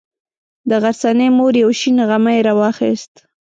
د غرڅنۍ مور یو شین غمی راواخیست.